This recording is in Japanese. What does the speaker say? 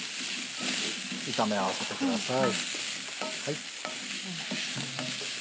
炒め合わせてください。